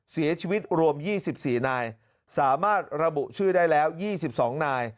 เสียชีวิตรวม๒๔นายสามารถระบุชื่อได้แล้ว๒๒นาย